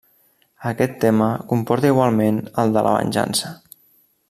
Aquest tema comporta igualment el de la venjança.